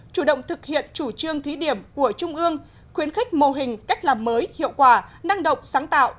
chủ động thực hiện chủ trương thí điểm của trung ương khuyến khích mô hình cách làm mới hiệu quả năng động sáng tạo